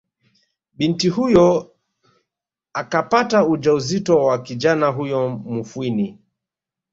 Binti huyo akapata ujauzito wa kijana huyo Mufwini